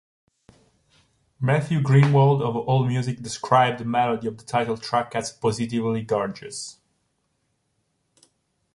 Matthew Greenwald of AllMusic described the melody of the title track as "positively gorgeous".